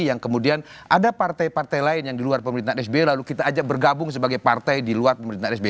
yang kemudian ada partai partai lain yang di luar pemerintahan sby lalu kita ajak bergabung sebagai partai di luar pemerintahan sby